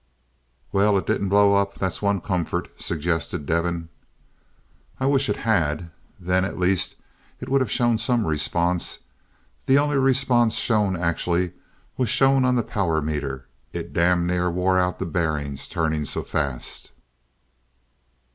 "Well it didn't blow up. That's one comfort," suggested Devin. "I wish it had. Then at least it would have shown some response. The only response shown, actually, was shown on the power meter. It damn near wore out the bearings turning so fast."